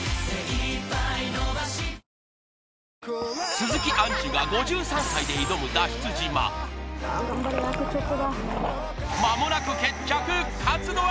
鈴木杏樹が５３歳で挑む脱出島まもなく決着勝つのは？